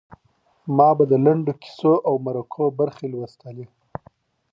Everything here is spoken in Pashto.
ما به د لنډو کیسو او مرکو برخې لوستلې.